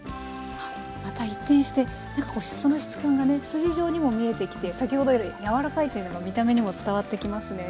筋状にも見えてきて先ほどより柔らかいというのが見た目にも伝わってきますね。